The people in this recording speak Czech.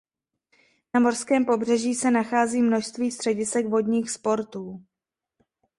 Na mořském pobřeží se nachází množství středisek vodních sportů.